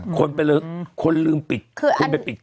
คนไปลืมปิดเครื่องแล้วมันก็